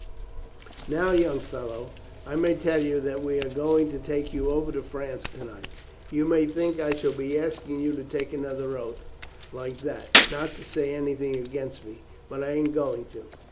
"Now, young fellow, I may tell you that we are going to take you over to France to night. You may think I shall be asking you to take another oath, like that, not to say anything against me, but I ain't going to.